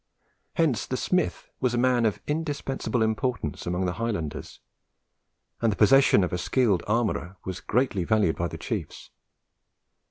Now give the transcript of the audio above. Hence the smith was a man of indispensable importance among the Highlanders, and the possession of a skilful armourer was greatly valued by the chiefs.